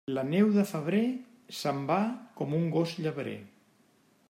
La neu de febrer se'n va com un gos llebrer.